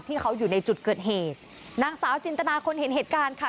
ที่เขาอยู่ในจุดเกิดเหตุนางสาวจินตนาคนเห็นเหตุการณ์ค่ะ